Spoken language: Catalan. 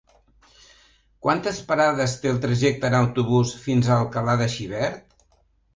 Quantes parades té el trajecte en autobús fins a Alcalà de Xivert?